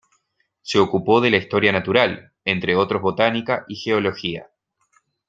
Se ocupó de la historia natural, entre otros botánica y geología.